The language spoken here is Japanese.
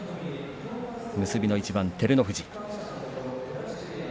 結びの一番、照ノ富士。